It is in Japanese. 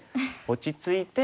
落ち着いて。